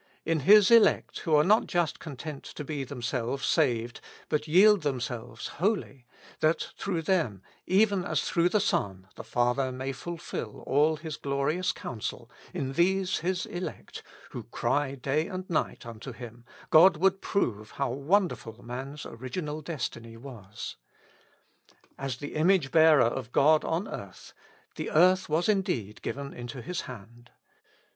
In His elect who are not just content to be themselves saved, but yield themselves wholly, that through them, even as through the Son, the Father may fulfil all His glorious counsel, in these His elect, who cry day and night unto Him, God would prove how wonderful man's original destiny was. As the image bearer of God on earth, the earth was indeed given into his hand.